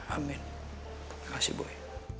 amin terima kasih boy